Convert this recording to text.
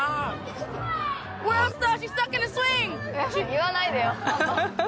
言わないでよ！